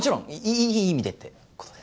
いいい意味でってことで